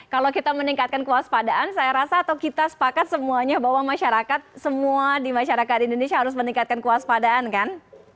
kalau kita meningkatkan kewaspadaan saya rasa atau kita sepakat semuanya bahwa masyarakat semua di masyarakat indonesia harus meningkatkan kewaspadaan kan